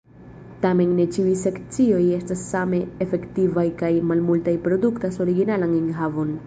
Tamen ne ĉiuj sekcioj estas same aktivaj kaj malmultaj produktas originalan enhavon.